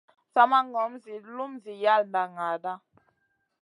Sa ma ŋom ziyna lum zi yalda naaɗa.